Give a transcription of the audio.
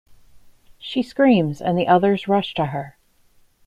She screams, and the others rush to her.